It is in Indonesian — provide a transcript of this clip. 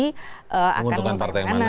menguntungkan partai yang mana